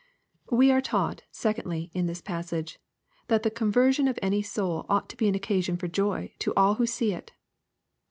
We are taught, secondly, in this passage, that the conversion of any soul ought to be an occasion of Joy to ^ all who see it.